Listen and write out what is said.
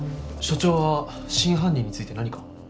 署長は真犯人について何か？